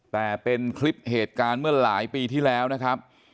แต่เป็นคลิปเหตุการณ์เมื่อหลายปีที่แล้วนะครับ